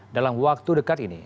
dalam waktu dekat ini